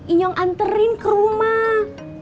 inyong anterin ke rumah